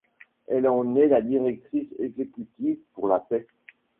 Elle en est la directrice exécutive pour la paix.